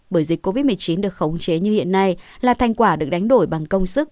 bởi dịch covid một mươi chín được khống chế như hiện nay là thành quả được đánh đổi bằng công sức